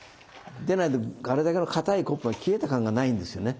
でないとあれだけの固いコップが消えた感がないんですよね。